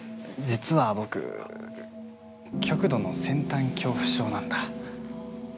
実は僕、極度の先端恐怖症なんだ。